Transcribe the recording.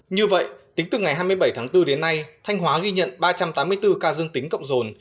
như vậy tính từ ngày hai mươi bảy tháng bốn đến nay thanh hóa ghi nhận ba trăm tám mươi bốn ca dương tính cộng rồn